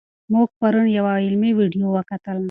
موږ پرون یوه علمي ویډیو وکتله.